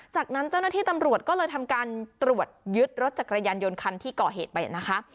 จากนั้นเจ้าหน้าที่ตำรวจก็เลยทำการตรวจยึดรถจักรยานยนต์คันที่ก่อเหตุไปนะคะ